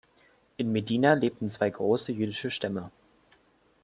In Medina lebten zwei große jüdische Stämme.